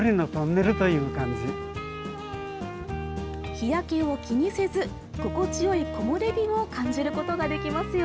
日焼けを気にせず心地よい木漏れ日を感じることができますよ